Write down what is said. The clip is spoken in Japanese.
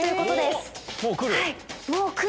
もう来る⁉